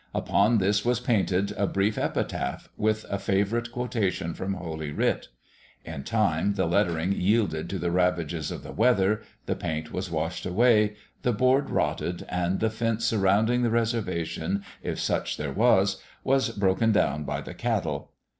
Upon this was painted a brief epitaph, with a favourite quotation from Holy Writ. In time the lettering yielded to the ravages of the weather, the paint was washed away, the board rotted, and the fence surrounding the reservation, if such there was, was broken down by the cattle.